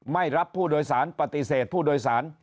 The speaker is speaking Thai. ไม่รับผู้โดยสารปฏิเสธผู้โดยสาร